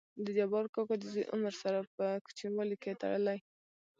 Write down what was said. دجبار کاکا دزوى عمر سره په کوچينوالي کې تړلى.